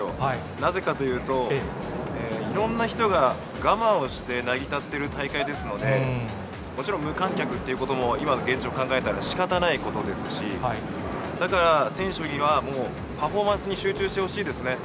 なぜかというと、いろんな人が我慢をして成り立っている大会ですので、もちろん、無観客ということも今の現状考えたらしかたないことですし、だから選手にはもうパフォーマンスに集中してほしいですね。